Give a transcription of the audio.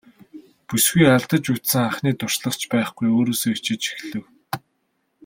Бүсгүй алдаж үзсэн анхны туршлага ч байхгүй өөрөөсөө ичиж эхлэв.